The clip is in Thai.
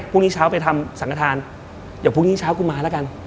พรุ่งนี้เช้าไปทำสังฆฐานเดี๋ยวพรุ่งนี้เช้ากูมาแล้วกัน